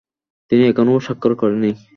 তিনি এখনও স্বাক্ষর করেনি।